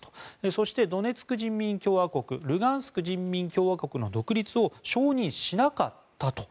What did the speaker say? そして、ドネツク人民共和国ルガンスク人民共和国の独立を承認しなかったと。